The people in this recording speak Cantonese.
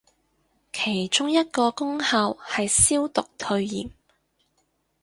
其中一個功效係消毒退炎